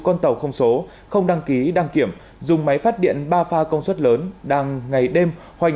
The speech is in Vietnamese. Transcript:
con tàu không số không đăng ký đăng kiểm dùng máy phát điện ba pha công suất lớn đang ngày đêm hoành